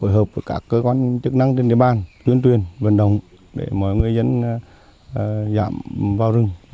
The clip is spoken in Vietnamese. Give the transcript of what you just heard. hợp với các cơ quan chức năng trên địa bàn tuyên truyền vận động để mọi người dẫn dạm vào rừng